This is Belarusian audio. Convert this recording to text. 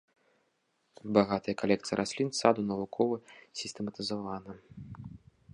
Багатая калекцыя раслін саду навукова сістэматызавана.